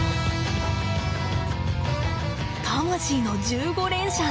魂の１５連射。